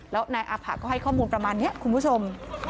แล้วนายอาผะก็ให้ข้อมูลประมาณนี้คุณผู้ชม